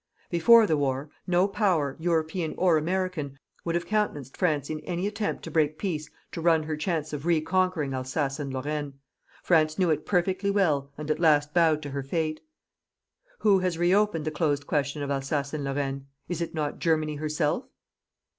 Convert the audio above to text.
Before the war, no Power, European or American, would have countenanced France in any attempt to break peace to run her chance of reconquering Alsace and Lorraine. France knew it perfectly well and at last bowed to her fate. Who has reopened the closed question of Alsace and Lorraine? Is it not Germany herself?